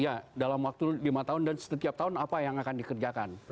ya dalam waktu lima tahun dan setiap tahun apa yang akan dikerjakan